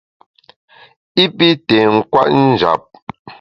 I pi té nkwet njap.